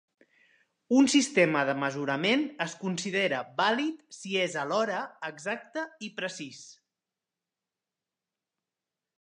Un sistema de mesurament es considera "vàlid" si és alhora "exacte" i "precís".